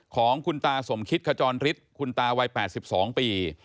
ของคุณตาสมคิตขจรฤทธิ์คุณตาวัย๘๒ปี